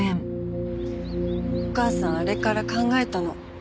お母さんあれから考えたの。